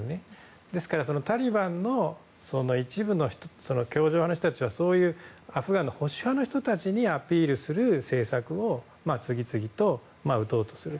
ですから、タリバンの一部の教条派の人たちはアフガンの保守派の人たちにアピールする政策を次々と打とうとする。